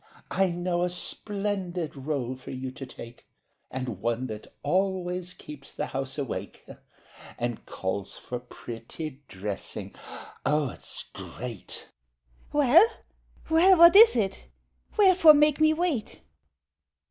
I know a splendid role for you to take, And one that always keeps the house awake— And calls for pretty dressing. Oh, it's great! MAID (excitedly) Well, well, what is it? Wherefore make me wait?